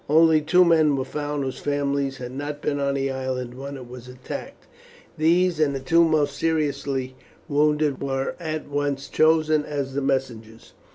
Only two men were found whose families had not been on the island when it was attacked. These and the two most seriously wounded were at once chosen as the messengers.